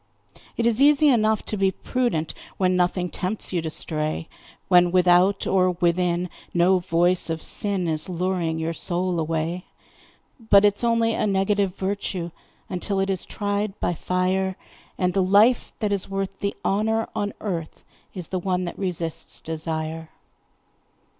It is easy enough to be prudent When nothing tempts you to stray, When without or within no voice of sin Is luring your soul away; But it's only a negative virtue Until it is tried by fire, And the life that is worth the honour on earth Is the one that resists desire.